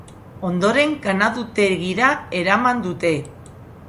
Ondoren, ganadutegira eraman dute.